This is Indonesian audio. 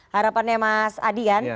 harapannya mas adi kan